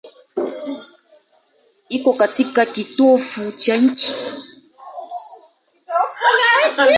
Iko katika kitovu cha nchi.